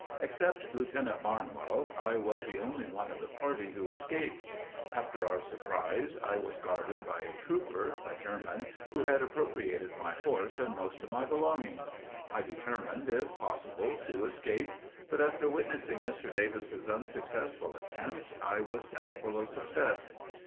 Except Lieutenant Barnwell, I was the only one of the party who escaped. After our surprise, I was guarded by a trooper, a German, who had appropriated my horse and most of my belongings. I determined, if possible, to escape; but after witnessing Mr. Davis's unsuccessful attempt, I was doubtful of success.